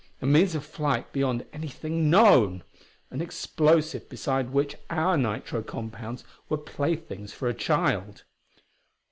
a means of flight beyond anything known! an explosive beside which our nitro compounds were playthings for a child.